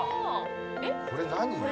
これ何？